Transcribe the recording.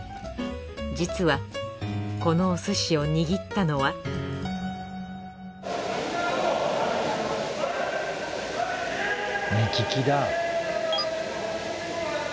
実はこのお寿司を握ったのは目利きだ。